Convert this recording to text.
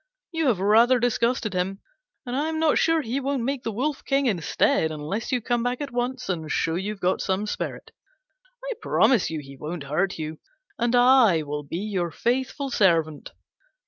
You have rather disgusted him, and I'm not sure he won't make the wolf King instead, unless you come back at once and show you've got some spirit. I promise you he won't hurt you, and I will be your faithful servant."